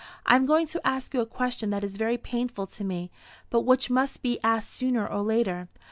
I am going to ask you a question that is very painful to me, but which must be asked sooner or later.